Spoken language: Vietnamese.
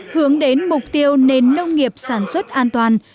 hướng đến mục tiêu nền nông nghiệp sản xuất an toàn